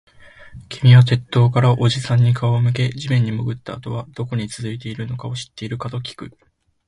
君は鉄塔からおじさんに顔を向け、地面に潜ったあとはどこに続いているのか知っているかときく